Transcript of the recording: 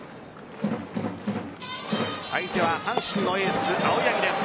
相手は阪神のエース・青柳です。